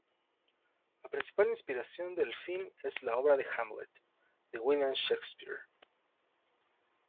La principal inspiración del film es la obra Hamlet de William Shakespeare.